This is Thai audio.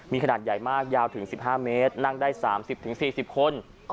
มีขนาดใหญ่มากยาวถึง๑๕เมตรนั่งได้๓๐๔๐คน